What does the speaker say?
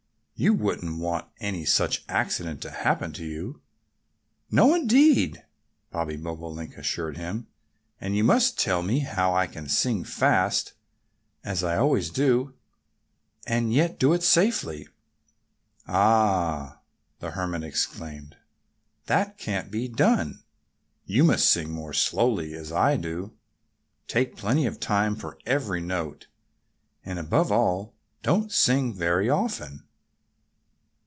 You won't want any such accident to happen to you." "No, indeed!" Bobby Bobolink assured him. "And you must tell me how I can sing fast as I always do and yet do it safely." "Ah!" the Hermit exclaimed. "That can't be done. You must sing more slowly, as I do. Take plenty of time for every note. And above all, don't sing very often!"